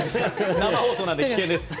生放送なので危険です。